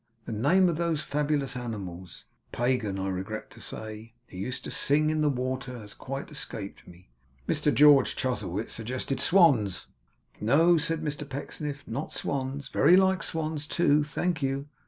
The name of those fabulous animals (pagan, I regret to say) who used to sing in the water, has quite escaped me.' Mr George Chuzzlewit suggested 'swans.' 'No,' said Mr Pecksniff. 'Not swans. Very like swans, too. Thank you.